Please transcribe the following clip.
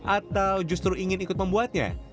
atau justru ingin ikut membuatnya